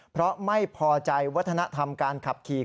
เพราะไม่พอใจวัฒนธรรมการขับขี่